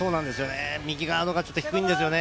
右側が低いんですよね。